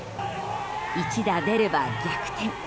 一打出れば逆転。